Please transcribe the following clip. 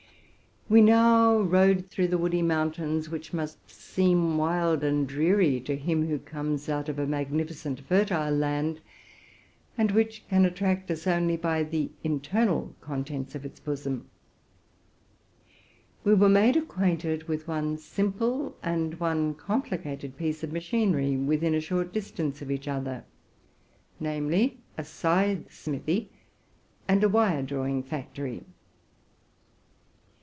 We now rode through woody mountains, which must seem wild and dreary to him who comes out of a magnificent, fertile land, and which can attract us only by the internal contents of its bosom. We were made acquainted with one simple and one complicated piece of machinery, within a short dis tance of each other; namely, a scythe smithy and a wire drawing factory.